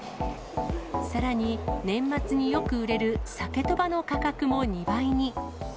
さらに、年末によく売れる、鮭とばの価格も２倍に。